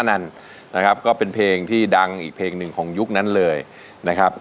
ลาลาลาลาลาลาลา